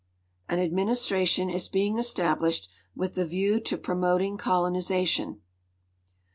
An administration is being estab lished, with a view to jiromoting colonization.